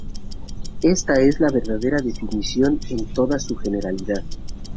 Esta es la verdadera definición en toda su generalidad.